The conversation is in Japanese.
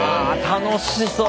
楽しそう！